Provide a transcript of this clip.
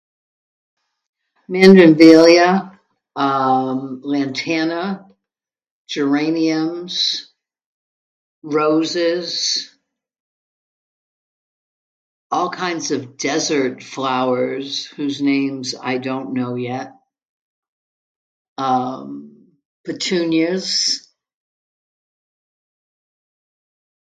Mandevilla. Uuumm...lantana. Geraniums. Roses. All kinds of desert flowers whose names I don't know yet. Uummm...petunias.